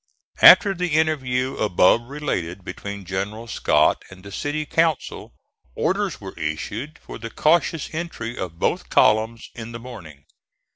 After the interview above related between General Scott and the city council, orders were issued for the cautious entry of both columns in the morning.